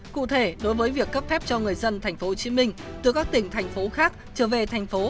cụ thể đối với việc cấp phép cho người dân tp hcm từ các tỉnh thành phố khác trở về thành phố